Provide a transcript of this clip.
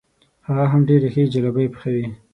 هغه هم ډېرې ښې جلبۍ پخوي.